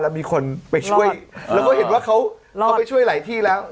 แล้วมีคนไปช่วยแล้วก็เห็นว่าเขาไปช่วยหลายที่แล้ว